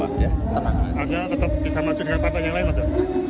agar tetap bisa maju dengan partai yang lain atau